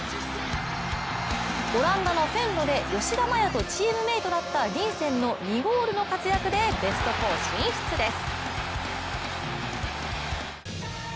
オランダのフェンロで吉田麻也とチームメイトだったリンセンの２ゴールの活躍でベスト４進出です。